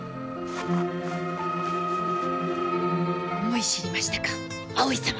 思い知りましたか葵様。